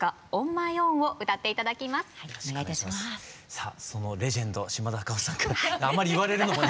さあそのレジェンド島田歌穂さんからあんまり言われるのもね